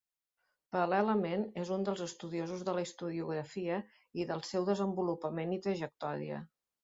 Paral·lelament és un dels estudiosos de la historiografia i del seu desenvolupament i trajectòria.